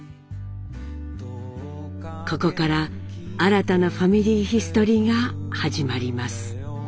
ここから新たな「ファミリーヒストリー」が始まります。